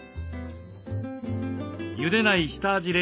ゆでない下味冷凍